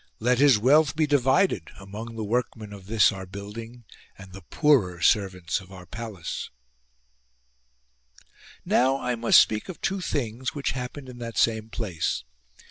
Let his 99 STRANGE DEATH OF A DEACON wealth be divided among th« workmen of this our building, and the poorer servants of our palace." 32. Now I must speak of two things which happened in that same place.